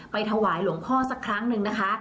ถวายหลวงพ่อสักครั้งหนึ่งนะคะ